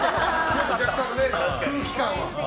お客さんがね、空気感が。